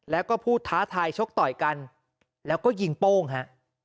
แล้วก็พูดท้าทายชกต่อยกันแล้วก็ยิงโป้งฮะ